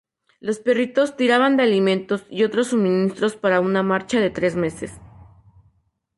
Los perros tiraban de alimentos y otros suministros para una marcha de tres meses.